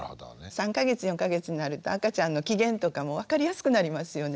３か月４か月になると赤ちゃんの機嫌とかも分かりやすくなりますよね。